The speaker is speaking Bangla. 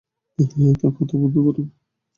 কথা বন্ধ করো।